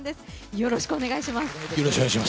よろしくお願いします。